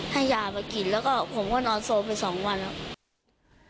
ให้ยาไปกินแล้วก็ผมก็นอนโซลไป๒วันอ่ะ